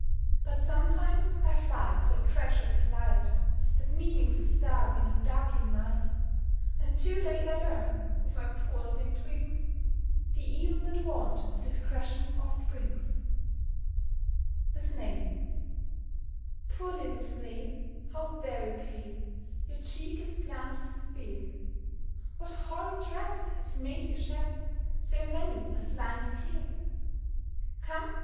_"] But sometimes I fly to a treacherous light, That mimics a star in a darkling night; And too late I learn, with my poor singed wings, The evil that want of discretion oft brings. [Illustration: "How very pale."] THE SNAIL. POOR little Snail, How very pale, Your cheek is blanched with fear! What horrid dread Has made you shed So many a slimy tear? Come!